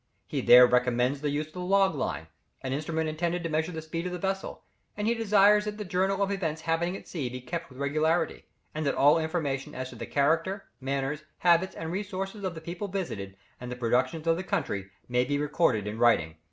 He there recommends the use of the log line, an instrument intended to measure the speed of the vessel, and he desires that the journal of the events happening at sea may be kept with regularity, and that all information as to the character, manners, habits, and resources of the people visited, and the productions of the country, may be recorded in writing.